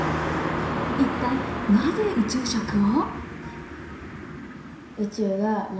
一体、なぜ宇宙食を？